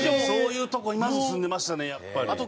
そういうとこにまず住んでましたねやっぱり。